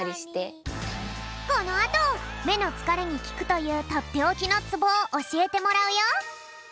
このあとめのつかれにきくというとっておきのツボをおしえてもらうよ。